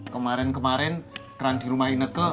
kemarin kemarin trend di rumah ineke